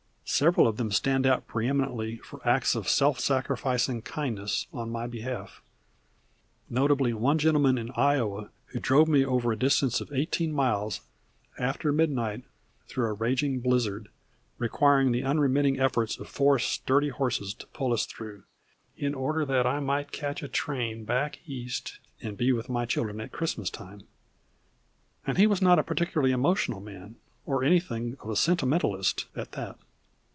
Several of them stand out preëminently for acts of self sacrificing kindness on my behalf; notably one gentleman in Iowa who drove me over a distance of eighteen miles after midnight through a raging blizzard, requiring the unremitting efforts of four sturdy horses to pull us through, in order that I might catch a train back East and be with my children at Christmas time, and he was not a particularly emotional man, or anything of a sentimentalist, at that.